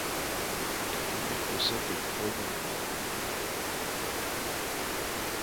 La commune possède de nombreux monuments.